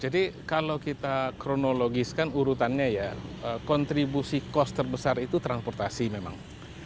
jadi kalau kita kronologiskan urutannya ya kontribusi cost terbesar itu transportasi memang